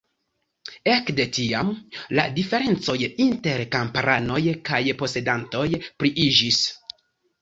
Ekde tiam la diferencoj inter kamparanoj kaj posedantoj pliiĝis.